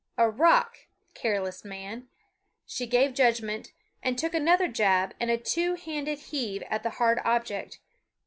a rock careless man," she gave judgment, and took another jab and a two handed heave at the hard object.